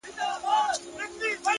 هره تجربه نوی حکمت دربښي!